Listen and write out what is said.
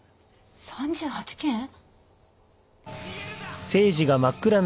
３８件？